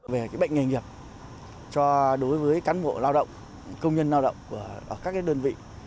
về cái bệnh nghề nghiệp cho đối với cán bộ lao động công nhân lao động các đơn vị